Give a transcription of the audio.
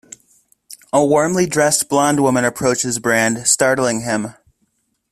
A warmly-dressed blonde woman approaches Brand, startling him.